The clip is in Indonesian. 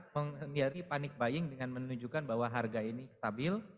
menghindari panic buying dengan menunjukkan bahwa harga ini stabil